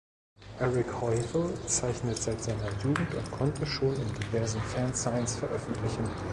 Eric Heuvel zeichnet seit seiner Jugend und konnte schon in diversen Fanzines veröffentlichen.